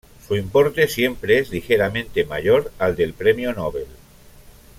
Su importe siempre es ligeramente mayor al del Premio Nobel.